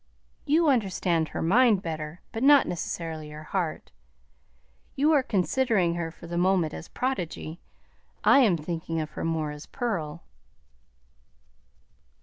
"You understand her mind better, but not necessarily her heart. You are considering her for the moment as prodigy; I am thinking of her more as pearl."